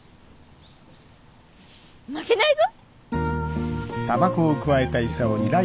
負けないぞ！